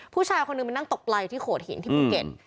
ผู้ชายคนนึงมันตกไหลที่โขดหินที่บริเกณฑ์